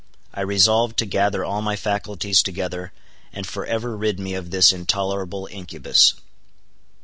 I resolved to gather all my faculties together, and for ever rid me of this intolerable incubus.